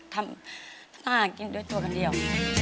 ทำอาหารกินด้วยตัวคนเดียว